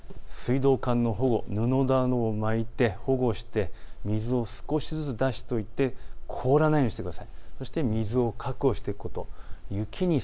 水道管の保護、布などを巻いて保護をして、水を少しずつ出しておいて凍らないようにしてください。